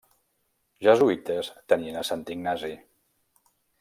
Jesuïtes tenien a Sant Ignasi.